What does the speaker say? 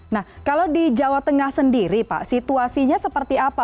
nah kalau di jawa tengah sendiri pak situasinya seperti apa